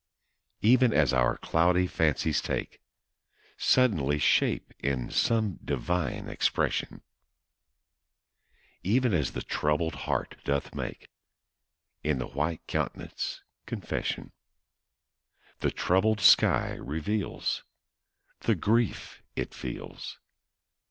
Even as our cloudy fancies take Suddenly shape in some divine expression, Even as the troubled heart doth make In the white countenance confession The troubled sky reveals The grief it feels.